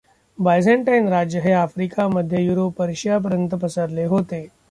Byzantine राज्य हे Africa, मध्य युरोप, पर्शियापर्यंत पसरले होते.